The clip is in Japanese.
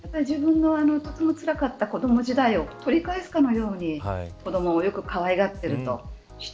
自分のとてもつらかった子ども時代を取り返すかのように子どもをよくかわいがっていると。